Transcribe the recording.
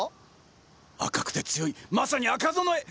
赤くて強いまさに赤備え！